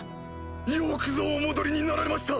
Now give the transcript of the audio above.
よくぞお戻りになられました！